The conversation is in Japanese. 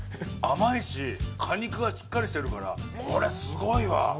甘いし、果肉がしっかりしてるからこれ、すごいわ。